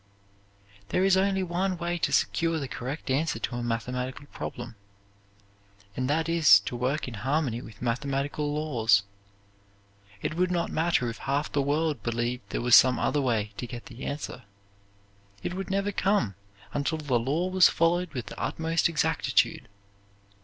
There is only one way to secure the correct answer to a mathematical problem; and that is to work in harmony with mathematical laws. It would not matter if half the world believed there was some other way to get the answer, it would never come until the law was followed with the utmost exactitude.